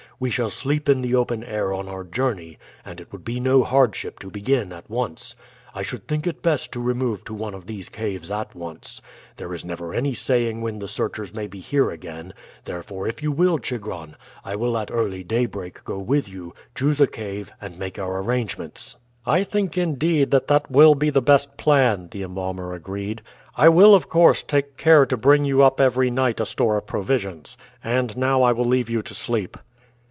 We shall sleep in the open air on our journey, and it would be no hardship to begin at once. I should think it best to remove to one of these caves at once. There is never any saying when the searchers may be here again; therefore if you will, Chigron, I will at early daybreak go with you, choose a cave, and make our arrangements." "I think, indeed, that that will be the best plan," the embalmer agreed. "I will, of course, take care to bring you up every night a store of provisions. And now I will leave you to sleep."